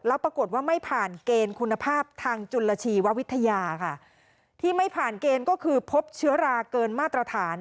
แล้วปรากฏว่าไม่ผ่านเกณฑ์คุณภาพทางจุลชีววิทยาค่ะที่ไม่ผ่านเกณฑ์ก็คือพบเชื้อราเกินมาตรฐาน